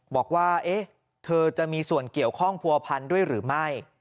บอกว่าเธอจะมีส่วนเกี่ยวข้องผัวพันธุ์ด้วยหรือไม่